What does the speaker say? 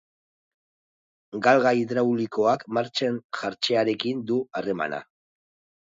Galga hidraulikoak martxan jartzearekin du harremana.